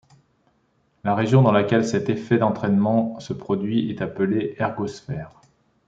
La région dans laquelle cet effet d'entraînement se produit est appelé ergosphère.